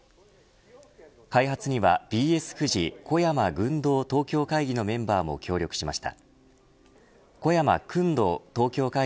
開発にはＢＳフジ小山薫堂東京会議のメンバーも協力しました。